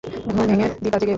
ঘুম ভেঙে দিপা জেগে ওঠে।